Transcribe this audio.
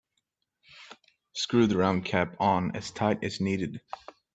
Screw the round cap on as tight as needed.